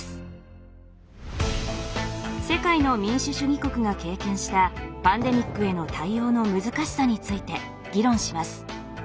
世界の民主主義国が経験したパンデミックへの対応の難しさについて議論します。